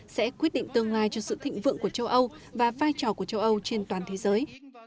sẽ quyết định tương lai cho sự thịnh vượng của châu âu và vai trò của châu âu trên toàn thế giới